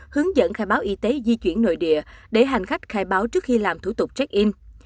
hướng dẫn khai báo y tế di chuyển nội địa để hành khách khai báo trước khi làm thủ tục check in